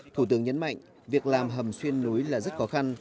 thủ tướng nhấn mạnh việc làm hầm xuyên núi là rất khó khăn